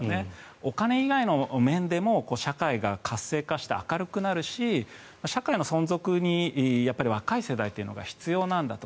お金以外の面でも社会が活性化して明るくなるし社会の存続に若い世代というのが必要なんだと。